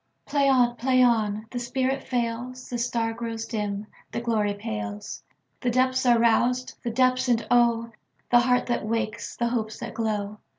Play on! Play on! The spirit fails, The star grows dim, the glory pales, The depths are roused—the depths, and oh! The heart that wakes, the hopes that glow!